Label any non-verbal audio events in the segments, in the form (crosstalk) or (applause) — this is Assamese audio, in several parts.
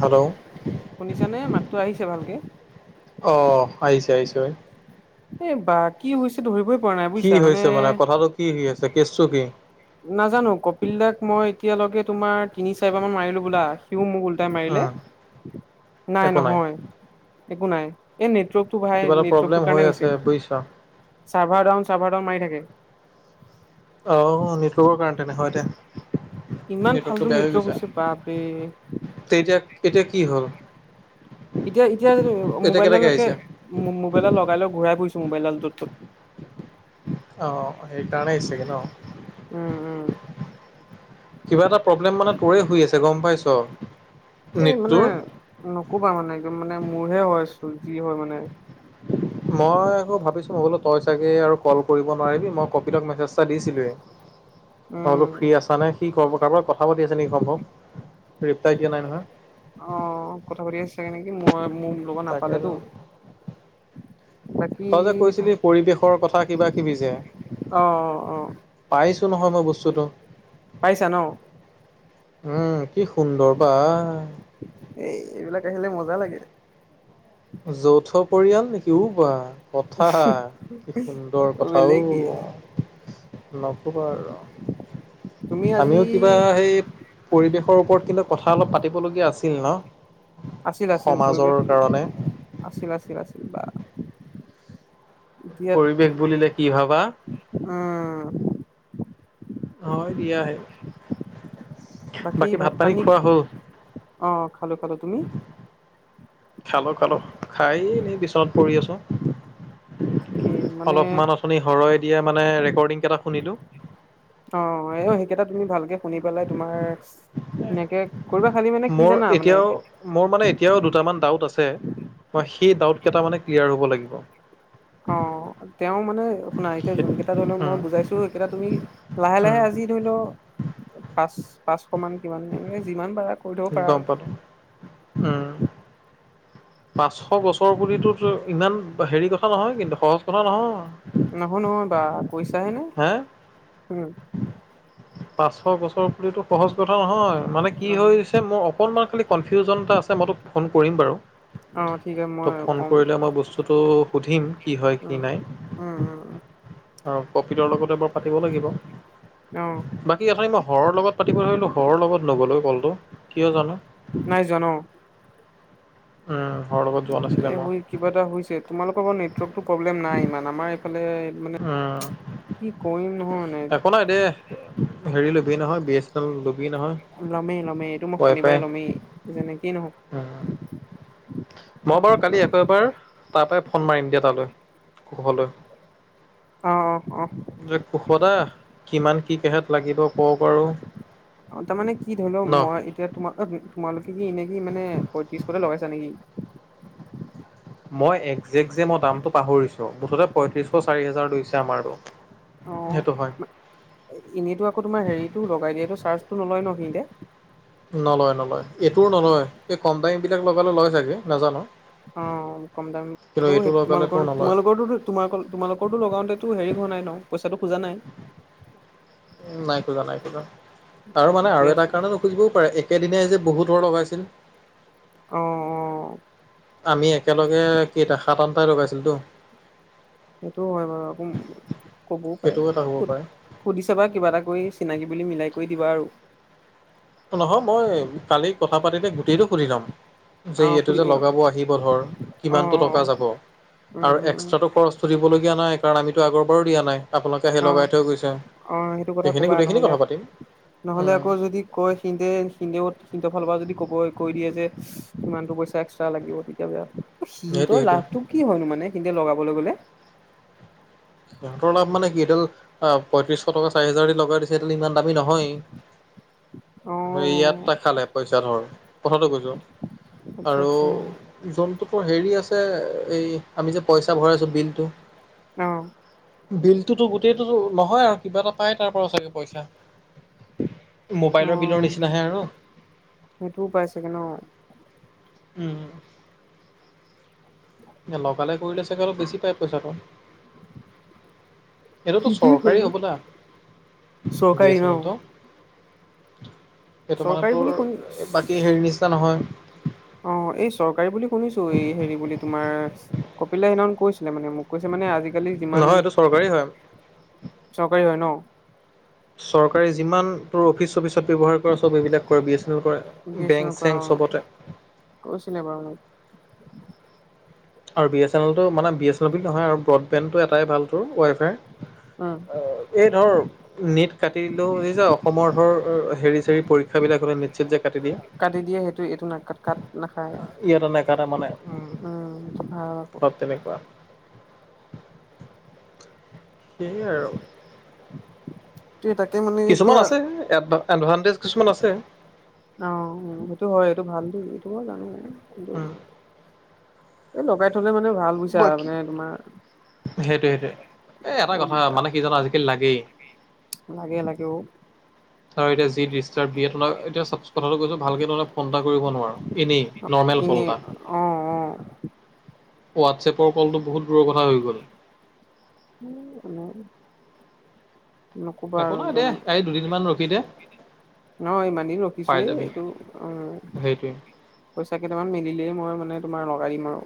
হেল্ল' শুনিছানে মাততো আহিছে ভালকে? অ', আহিছে আহিছে ঐ। এ বা কি হৈছে ধৰিবই পৰা নাই কি বুজিছা হৈছে মানে? কথাটো কি হৈ আছে? কেচটো কি? নাজানো কপিল দাক মই এতিয়ালৈকে তোমাৰ তিনি-চাৰিবাৰ মান মাৰিলো বোলা। সিও মোক ওল মাৰিলে, উম নাই নহয়, একো নাই। এই নেটৱৰ্ক নেটৱৰ্কটো ভাই কিবা এটা প্ৰব্লেম নেটৱৰ্কটোৰ কাৰণে হৈ হৈছে। আছে বুজিছা চাৰ্ভাৰ ডাউন চাৰ্ভাৰ ডাউন মাৰি থাকে। অহ, নেটৱৰ্কৰ কাৰণে তেনে হয় দে। ইমান ফাল্টু নেটৱৰ্কটো বেয়া হৈ নেটৱৰ্ক গৈছা, হৈছে বাপৰে তে জেক এতিয়া কি হ'ল? এতিয়া এতিয়া জানো এতিয়া মোবাইলডাল কেনেকে একে আহিছে মোবাইলত লগাই ল ঘূৰাই ফুৰিছো মোবাইলডাল য'ত ত'ত। অ', সেইকাৰণেই হৈছে ছাগে ন? উম উম কিবা এটা প্ৰব্লেম মানে তোৰে হৈ আছে গম পাইছ? এই মানে নেটটোৰ নকবা মানে একদম মানে মোৰহে হয়, চো যি হয় মানে। মই আকৌ ভাৱিছো মই বোলো তই চাগে আৰু কল কৰিব নোৱাৰিবি। মই কপিলক মেছেজ দিছিলোৱে। অলপ উম ফ্ৰি আছা নে, সি ক-কাৰোব কথা পাতি আছে নেকি সম্ভৱ। ৰিপ্লাই দিয়া নাই নহয় আহ কথা পাতি চাগে নেকি, মই মোৰ লগত তাকে আৰু নাপালেতো। (inaudible) তই যে কৈছিলি পৰিৱেশৰ কথা কিবা কিবি যে। অ অ পাইছো নহয় মই বস্তুটো। পাইছা ন। উম কি সুন্দৰ বা এ এইবিলাক আহিলে মজা লাগে। যৌথ পৰিয়াল নেকি উ বা! কথা, কি সুন্দৰ কথাও। বেলেগ দিয়ে নকোবা তুমি আৰু। আজি আমিও কিবা সেই পৰিৱেশৰ ওপৰত কিন্তু কথা অলপ পাতিব লগীয়া আছে ন আছিল-আছিল সমাজৰ পৰিৱেশটো কাৰণে আছিল-আছিল-আছিল বা। এতিয়া- পৰিৱেশ বুলিলে কি ভাবা উম। হয় দিয়া আহে। বাকী ভাত পানী খোৱা হ'ল? অ খালো খালো তুমি খালো-খালো খাই এনেই বিচনত পৰি আছো। কি মানে অলপমান আচনি হৰই দিয়ে মানে ৰেকৰ্ডিং কেইটা শুনিলো অ এ সেইকেইটা তুমি ভালকে শুনি পেলাই তোমাৰ সনেকে মোৰ এতিয়াও মোৰ মানে এতিয়াও দুটামান ডাউট আছে। তে মই সেই ডাউদ কেটা মানে ক্লিয়াৰ হ'ব লাগিব। অ তেওঁ মানে শুনা এতিয়া যোন কেইটা ধৰি লও মই উম, বুজাইছো সেইকেইটা তুমি লাহে লাহে উম, আজি যি ধৰি লও পাঁচ-পাঁচশ মান কিমান এনেকে যিমান পাৰা কৰি থব পাৰা গম আৰু পালো, উম। পাঁচশ গছৰ বুলিটো তৰ ইমান হেৰি কথা নহয় কিন্তু, সহজ কথা নহয়। নহয় নহয় বা কইছাহে নে, হে উম। পাচশ গছৰ পুলিতো সহজ কথা নহয়। মানে কি উম হৈছে মোৰ অকনমান খালি কনফিউজন এটা আছে। মই তোক ফোন কৰিম বাৰু। অ ঠিক আছে মই তোক ফোন কম কৰিলে মই বস্তুটো সুধিম কি হয় কি উম নাই। উম উম আৰু কপিলৰ লগতে এবাৰ পাতিব লাগিব অ বাকী এঠাই মই ঘৰৰ লগ পাতিব ধৰিলোঁ, ঘৰৰ লগত নগ'লে কলটো কিয় জানো। নাই যোৱা ন। উম। ঘৰৰ লগত যোৱা নাছিলে মই। এ কিবা এটা হৈছে, তোমালোকৰ বাৰু নেটৱৰ্কতো প্ৰব্লেম নাই ইমান। আমাৰ এইফালে মানে উম কি কৰিম নহয় মানে একো নাই দেই হেৰি লবি নহয় বি এ এল ল লমেই লমেই এইটো মই শনিবাৰে ল'মেই যেনেকেই নহওক। উম, মই বাৰু কালি একৌ এবাৰ তাৰ পৰাই ফোন মাৰিম দিয়া তালৈ কুখললৈ। অ অ অ কুশদা কিমান কি কেহত লাগিব (inaudible) আৰু তাৰমানানে কি ধৰি লও ন মই এতিয়া তোমাক তোমালোকে কি এনে কি মানে পয়ত্ৰিশতে লগাইছা নেকি? মই একজেক্ট যে মই দামটো পাহৰিছো, মুঠতে পয়ত্ৰিশ চাৰি হাজাৰ ৰুইছে আমাৰটো। অ এনেইতো আকৌ তোমাৰ হেৰিতটো লগাই দিয়েটো চাৰ্জটো নলয় ন। (inaudible) নলয় নলয় এইটোও নলয় কম দামী এই বিলাক লগালে লগয় ছাগে নাজানো। অ কম দাম কিন্তু এইটো লগালে তোৰ নলয় তোমালোকৰ-তোমালোকৰো-তোম-তোমালোকৰটো লগাওতে হেৰি নাই ন পইচাটো খোজা নাই। নাই খোজা নাই খোজা আৰু মানে ঠিকে আৰু এটা আছে কাৰণে নুখুজিবও পাৰে একেদিনাই যে বহুতৰ লগাইছিল। অ', অ'। আমি একেলগে কেইটা সাত আঠটাই লগাইছিলো টো। সেইটোও হয় বাৰু আকৌ, ক'বও সেইটোও এটা পাৰে হ'ব কোন সুধিছ বা কিবা এটা কৰি চিনাকি বুলি মিলাই কৰি দিবা আৰু। নহয় মই কালি কথা পাতিতে গোটেইটো সুধি লম। যে অ এইটো সুধি যে অ লগাব আহিব ধৰ অ কিমানটো অ', টকা যাব? উম আৰু উম এক্সট্ৰাটো খৰচটো দিবলগীয়া নাই কাৰণ আমিতো আগৰ বাৰো দিয়া নাই। আপোনালোকে আহি অ লগাই থৈ গৈছে, অ সেইটো কথা সেইখিনি ক'বা গোটেইখিনি নহ'লে কথা পাতিম। উম। চিন্তে চিন্তে ক'ত চিন্তে ফালপা (inaudible) যদি কব কৈ দিয়ে যে কিমানতটো পইচা এক্সট্ৰা লাগিব তেতিয়া বেয়া (inaudible) সেইটোৱে সিহতৰ সেইটোৱে লাভটো কি হয়নো মানে সিহতে লগাবলৈ গ'লে। সিহঁতৰ লাভ মানে কি পয়ত্ৰীছশ টকা চাৰি হাজাৰ দি লগাই দিছে। ইমান দামী নহয়েই। অ ইয়াত খালে পইচা ধৰ। কথাটো কৈছোঁ, আচ্ছা আৰু আচ্ছা যোনটো টোৰ হেৰি আছে এই আমি যে পইচা ভৰাইছোঁ বিলটো অ বিলটোতো গোটেইটো নহয় কিবা এটা পাই তাৰ পৰা চাগে পইচা। অ মোবাইলৰ বিলৰ নিচিনাহে আৰু। সেইটোও পাই চাগে ন উম, উম। লগালে কৰিলে চাগে অলপ বেছি পায় পইচাটো। (inaudible) এইটোতো ঠিকেই চৰকাৰী বাৰু হ'বলা, বি এ চৰকাৰী ন চেনেল তো। সেইটো মানে চৰকাৰী বুলি তোৰ শুনি বাকী হেৰি নিচিনা নহয়। অ', এই চৰকাৰী বুলি শুনিছোঁ। এই হেৰি বুলি তোমাৰ কপিলে সেইদিনাখন কৈছিলে মানে মোক। কৈছে মানে আজি আজিকালি যিমান, নহয় এইটো চৰকাৰী হয় চৰকাৰী হয় ন? চৰকাৰী যিমান তোৰ অফিচ চফিচ ব্যৱহাৰ কৰা চব এইবিলাক কৰে বি এছ এন এল কৰে, বি এছ এনৰ বেংক পৰা চেংক চবতে। (unintelligible) আৰু বি এছ এন এলটো মানে বি এছ এল নহয় আৰু ব্ৰডবেণ্ডটো এটাই ভাল তোৰ উম ৱাইফাই এই ধৰ নেট কাটিলেও যে অসমৰ ধৰ হেৰি সেই পৰীক্ষা বিলাক হলে নেট চেট যে কাটি দিয়ে। কাটি দিয়ে সেইটো এইটো ন কাট কাট নাখায় ইয়াত নেকাতে মানে, উম। সেইটো ভাল আকৌ ভাব তেনেকুৱা। সেয়ে আৰু। তে তাকে মানে কিছুমান এতিয়া আছে, এডভানটেজ কিছুমান আছে। অ', সেইটো হয় এইটো ভাল দেই, এইটো মই জানোঁ। উম। এই লগাই থলে মানে ভাল বুজিছা। মানে তোমাৰ সেইটোয়ে সেইটোয়ে। এ এটা বৰ কথা দিগদাৰ মানে কি জানা আজিকালি লাগেই। লাগে, লাগে অ'। আৰু এতিয়া যি যি ডিষ্ট্ৰাব দিয়ে তোমাৰ এতিয়া কথাটো কৈছো ভালকে তহতে ফোন এটা কৰিব নোৱাৰো এনে নৰ্মেল এনে কল এটা। অ', অ'। হোৱাটছএপৰ কলটো বহুত দূৰৰ কথা হৈ গ'ল (unintelligible) নকবা একো আৰু নাই দে একদম। এই দুদিনমান ৰখি দে ন ইমান দিন পাই যাবি ৰখিছোয়েই এইটো, উম। সেইটোৱে পইচা কেইটামান মিলিলেই মই মানে তোমাৰ লগাই দিম আৰু।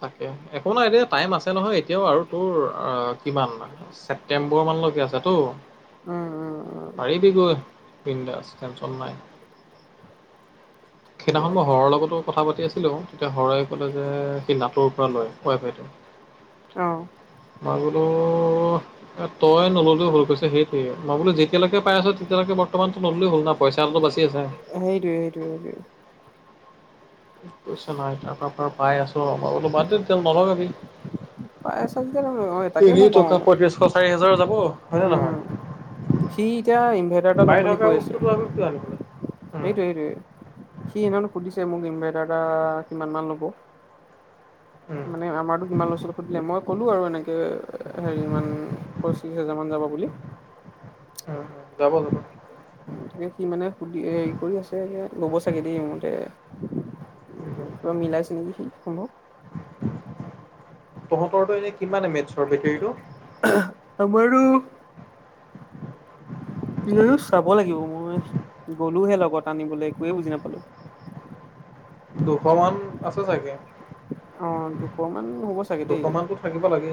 তাকে একো নাই দে। টাইম আছে নহয় এতিয়াও আৰু তোৰ অ', কিমান ছেপটেম্বৰ মানলৈকে আছেতো। উম উম উম পাৰিবিগৈ বিন্দাচ টেনচন নাই। সেইদিনাখন মই হৰৰ লগতো কথা পাতি আছিলো তেতিয়া হৰই ক'লে যে সেই নাটৰ পৰা লয় ৱাই ফাইটো। অ'। মই বোলো তই নললেও হ'ল। কৈছে সেইটোৱে মই বোলো যেতিয়ালৈকে পাই আছো তেতিয়ালৈকে বৰ্তমান ন'ললেই হ'ল ন পইচা বাছি আছে। সেইটোৱে সেইটোৱে সেইটোৱে কৈছে নাই তাৰ পৰা পৰা পাই আছো। নহলে বাদ বাদ দে তেতিয়া নলগাবি। পাই আছা যেতিয়া অ তাকে তিনি মই কওঁ টকা পঁয়ত্ৰিশ চাৰি হাজাৰ যাব। হয়নে নহয় উম, সি এতিয়া ইনভাৰ্টাৰ এটা পাই লম বুলি থকা কৈ আছে। বস্তুটো আকৌ কিয় আনিব লাগে। উম। সেইটোৱে, সেইটোৱে সি হেইডিনা সুধিছে মোক। ইনভাৰটাৰ এটা কিমান মান ল'ব। উম, উম, মানে আমাৰতো কিমান লৈছিল সুধিলে। মই ক'লো আৰু এনেকে হেৰি ইমান পচ্ৰিশ হাজাৰ মান যাব বুলি। উম, যাবতো। তাকে সি মানে সুধি হেৰি কৰি আছে। ল'ব চাগে দেই মোৰ মতে। কিবা মিলাইছে নেকি সেই সম্ভৱ। তহঁতৰটো এনে কিমান মেটছৰ বেটৰীটো। আমাৰতো চাব লাগিব মই গ'লোহে লগত আনিবলৈ একোৱে বুজি নাপালোঁ। (unintelligible) দুশ মান আছে চাগে। অ দুশ মান হ'ব চাগে দেই দুশমানতটো থাকিব লাগে।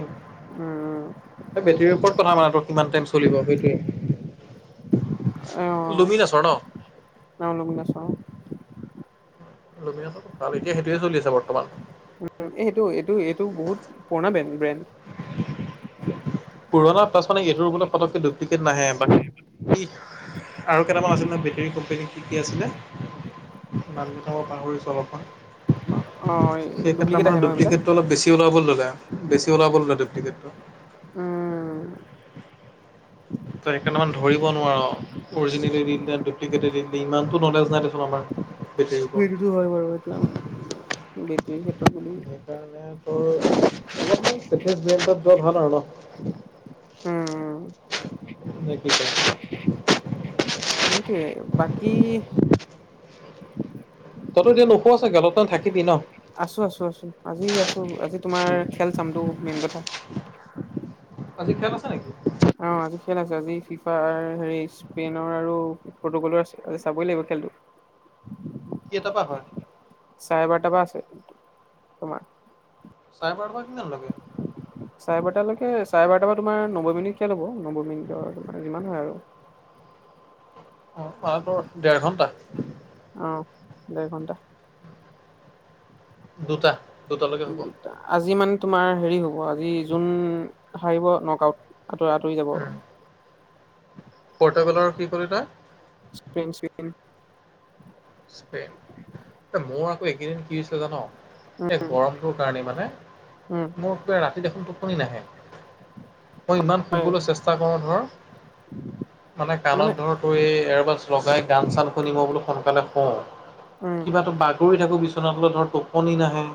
উম বেটেৰীৰ ওপৰত কথা মানো কিমান টাইম চলিব সেইটোৱে। অ লুমিনাছৰ ন? নাচাও লুমিনাছ থকালৈকে এতিয়া সেইটোয়ে চলি আছে বৰ্তমান। তো বহুত পুৰণা বেন ব্ৰেণ্ড। পুৰণা পাছতে এইটোৰ বোলে ফতককে ডুপ্লিকেট নাহে। বাকী আৰু কেইটামান আছিলে বেটেৰী কোম্পেনী কি কি আছিলে? নাম গিটা পাহৰিছোঁ অলপমান। অ সেই ক্ষেত্ৰত ডুপ্লিকেট আহে মানে ন এইবিলাক ডুপটিকেতটো অলপ বেছি ওলাবলৈ ল'লে বেছি ওলাব ল'লে ডপটিকেতটো। উম। ত সেইকাৰণে ধৰিব নোৱাৰ অৰিজিনেলে দি দে ডুপ্লিকেট দে ইমানতটো নলেজ নাই আমাৰ বেটেৰীৰ ওপৰত (inaudible) সেইটোতো হয় বাৰু সেইটো বেটেৰীৰ ক্ষেত্ৰত বুলি সেইকাৰণে তোৰ অলপ চেফেস্ট বেণ্ডত যোৱা ভাল আৰু ন। উম (unintelligible) সেইটোৱে বাকি তইতো এতিয়া নুশুৱ চাগে, অলপ টাইম থাকিবি ন? আছো আছো আছো আজি আছো আজি তোমাৰ খেল চামতটো মেইন কথা। আজি খেল আছে নেকি? অ', আজি খেল আছে। আজি ফিফা হেৰি স্পেইনৰ আৰু পৰ্তুগালৰ আছে। আজি চাবই লাগিব খেল তো। কেইটাপা হয়? চাৰে বাৰটাৰ পৰা আছে, তোমাৰ চাৰে বাৰতাপা কিমানলৈকে? চাৰে বাৰটালৈকে চাৰে বাৰটাাৰ বা তোমাৰ নব্বৈ মিনিট কিয় লব নব্বৈ মিনিটৰ তাৰ যিমান হয় আৰু। (unintelligible) (unintelligible) দেৰঘন্টা। অ', দেৰ ঘণ্টা। দুটা। দুটালৈকে হ'ব দুটা, আজি মানে তোমাৰ হেৰি হ'ব আজি জোন হাৰিব নক আউট। আতৰি আতৰি যাব। পৰ্তোগালৰ কি কলি তই? স্পেইন চেস্পেইন। স্পেইন, মোৰ আকৌ এইকেইদিন কি হৈছে জান'? এই গৰমটোৰ কাৰণে মানে, উম মোৰটো ৰাতি দেখোন টোপনি নাহে। মই ইমান হয় শুবলৈ চেষ্টা কৰোঁ ধৰ। মানে কাণত ধৰ তোৰ এই এৰবাছ লগাই গান চান শুনিব বুলি শন কাৰণে শুও, উম কিবাটো বাগৰি থাকোঁ বিচনাতলৈ ধৰ টোপনি নাহে।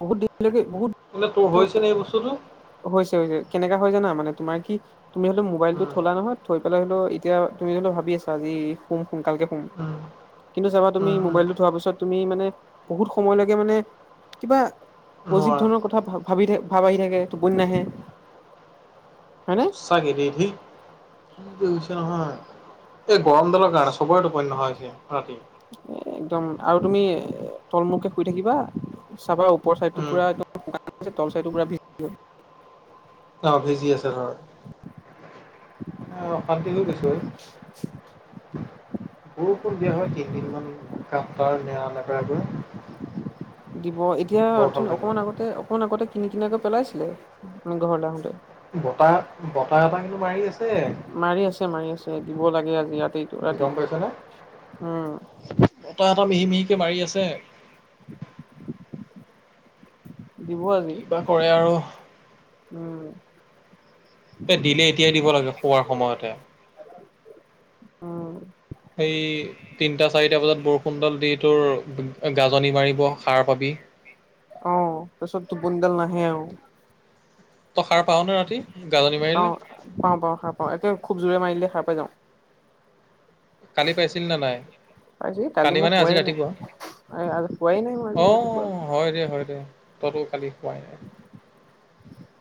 বহুত দিন আজিলৈকে বহুত বোলে তোৰ হৈছে নে এই বস্তুটো হৈছে হৈছে, কেনেকা হয় জানা মানে তোমাৰ কি তুমি হ'লে মোবাইলটো উম থলা নহয় থৈ পেলাই হ'লেও এতিয়া তুমি জোনটো ভাবি আছা আজি শুম। সোনকালকে শুম উম কিন্তু চাবা তুমি উম উম মোবাইলটো থোৱাৰ পিছত তুমি মানে বহুত সময়লৈকে মানে কিবা অজীৱ নোৱাৰা ধৰনৰ কথা ভা-ভাবি থাক ভাব আহি থাকে, টোপনি নাহে। হয়নে সঁচাকে দে, দি কি কৰিছে নহয়, এই গৰমডালৰ কাৰনে চবৰে টোপনি নোহোৱা হৈছে ৰাতি। একদম আৰু তুমি তলমূৰকে শুই থাকিবা, চাবা ওপৰ চাইডটো উম পুৰাম চাইড তলচাইডটো পোৰা ভিজি গ'ল। অ' ভিজি আছে ধৰ। মানে অশান্তি হৈ গৈছোঁ আৰু। বৰষুণ দিয়া হয় তিনিদিনমান কাপটাৰ নেনেকৰাকৈ। দিব, এতিয়া অকমান আগতে অকমান আগতে কিনি কিনয়াকৈ পেলাইছিলে, ঘৰলৈ আহোঁতে। বতাহ বতাহ এটা কিন্তু মাৰি আছে মাৰি আছে, মাৰি আছে, দিব লাগে আজি ৰাতিটো ৰাতি। উম এটা এটা মিহি মিহিকে মাৰি আছে। (inaudible) দিব আজি। কিবা কৰে আৰু উম। এ, দিলে এতিয়াই দিব, লাগে শুৱাৰ সময়তে। উম হেই তিনটা চাৰিটা বজাত বৰষুণডাল দি তোৰ গাজনি মাৰিব সাৰ পাবি ডাল নাহে আৰু। তই সাৰ পাৱ নে ৰাতি গাজনি মাৰিলে পাওঁ, পাওঁ পাওঁ খাৰ পাওঁ, একে খুব জোৰে মাৰিলে খাৰ পাই যাওঁ। কালি পাইছিল নে নাই, আজি কালি মই মানে আজি শুৱাই নাই ৰাতিপুৱা? আজি শুৱাই নাই মই আজি অ' ৰাতিপুৱালে হয় দে, হয় দে, তইতো কালি শুৱাই নাই।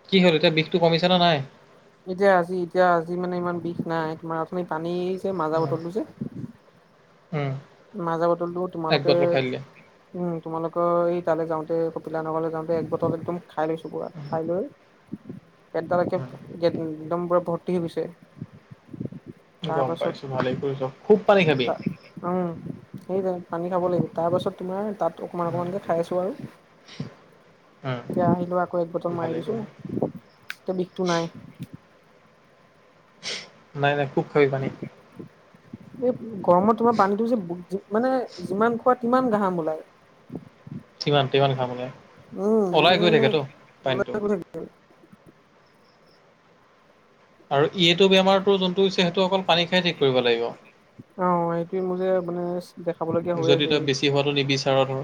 কি হ'ল এতিয়া বিষটো কমিছে নে নাই? এতিয়া আজি এতিয়া আজি মানে ইমান বিষ নাই, তোমাৰ অথনি পানী এই মাজা বতলটো যে উম মাজা বতলটো এক তোমালোকে বটল খাই দিলে উম, তোমালোকে এই তালৈ যাওঁতে কপিলা নগৰলৈ যাওঁতে এক বটল একদম খাই লৈছোঁ পুৰা, খাই লৈ পেটডাল একে পোৰা একদম ভৰ্তি হৈ গৈছে। গম পাইছোঁ, ভালেই কৰিছ। খুব পানী খাবি তা উম, সেই পানী খাব লাগিব, তাৰপাছত তোমাৰ তাত অকণমান অকণমানকে খাই আছোঁ আৰু। উম, এতিয়া আহিলোঁ আকৌ এক বতল মাৰি ভালেই দিছোঁ, কৰিছ এতিয়া বিষটো নাই। নাই নাই, খুব খাবি পানী? এই গৰমত তোমাৰ পানীটো যে মানে যিমান খোৱা তিমান ঘাম ওলায়। সিমান তিমান খামে, ওলাই গৈ মানে থাকতো পানীটো। আৰু এইটো বেমাৰটো যোনটো হৈছে, সেইটো অকল পানী খাই ঠিক কৰিব লাগিব। অ' এইটোৱে মোৰ যে মানে দেখাবলগীয়া হৈ যদি আছে, তই বেছি হোৱাটো নিবিচাৰ এই ধৰ